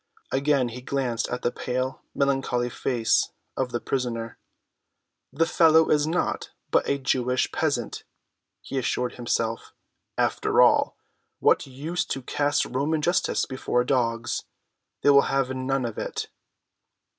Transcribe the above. Again he glanced at the pale, melancholy face of the prisoner. "The fellow is naught but a Jewish peasant," he assured himself. "And after all, what use to cast Roman justice before dogs. They will have none of it."